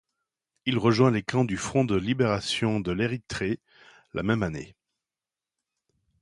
Il rejoint les camps du Front de libération de l'Érythrée la même année.